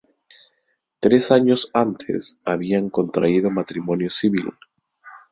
Tres años antes habían contraído matrimonio civil.